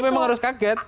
memang harus kaget